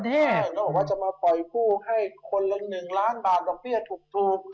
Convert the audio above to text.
ใช่มันบอกว่าจะมาปล่อยกู้ให้คนละ๑ล้านบาทต้องเรียกถูก